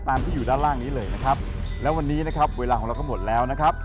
ตามที่อยู่ด้านล่างนี้เลยนะครับ